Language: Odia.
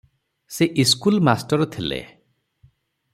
ସେ ଇସ୍କୁଲ ମାଷ୍ଟର ଥିଲେ ।